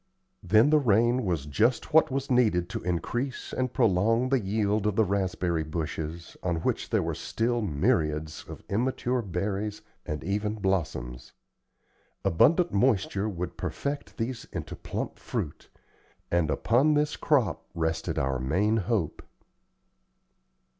Then the rain was just what was needed to increase and prolong the yield of the raspberry bushes, on which there were still myriads of immature berries and even blossoms. Abundant moisture would perfect these into plump fruit; and upon this crop rested our main hope.